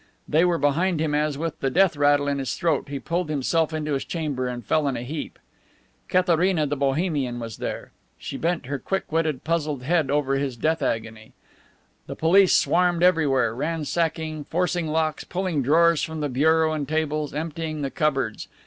They were behind him as, with the death rattle in his throat, he pulled himself into his chamber and fell in a heap. Katharina the Bohemian was there. She bent her quick witted, puzzled head over his death agony. The police swarmed everywhere, ransacking, forcing locks, pulling drawers from the bureau and tables, emptying the cupboards.